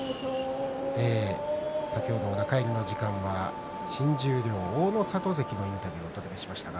先ほど中入りの時間は新十両大の里関のインタビューをお届けしました。